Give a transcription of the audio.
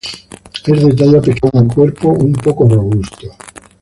Es de talla pequeña y cuerpo un poco robusto.